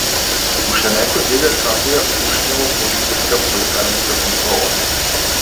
Уште некој дига капија, уште има полициска, па и царинска контрола.